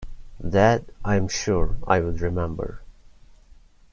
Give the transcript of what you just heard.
That I'm sure I would remember.